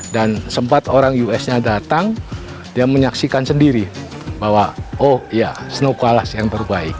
dan sempat orang us nya datang dia menyaksikan sendiri bahwa oh ya snow koalas yang terbaik